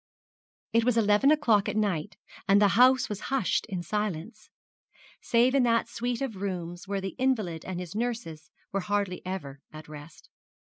It was eleven o'clock at night, and the house was hushed in silence save in that suite of rooms where the invalid and his nurses were hardly ever at rest.